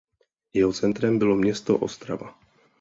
Jeho centrem bylo město Ostrava.